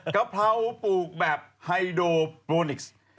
กะเพราปลูกแบบไฮโดโปรนิกซ์